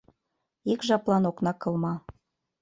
Ик жаплан окна кылма